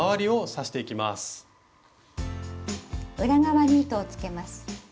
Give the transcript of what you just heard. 裏側に糸をつけます。